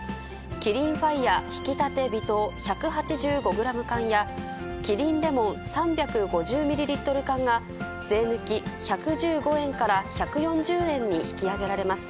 キリンファイア挽きたて微糖１８５グラム缶や、キリンレモン３５０ミリリットル缶が税抜き１１５円から１４０円に引き上げられます。